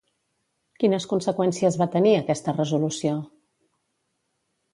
Quines conseqüències va tenir, aquesta resolució?